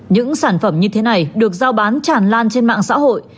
những sản phẩm như thế này được giao bán tràn lan trên mạng xã hội